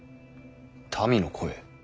民の声。